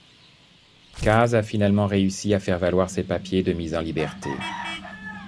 Case a finalement réussi à faire valoir ses papiers de mise en liberté.